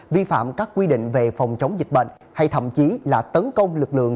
vi phạm các quy định về phòng chống dịch bệnh hay thậm chí là tấn công lực lượng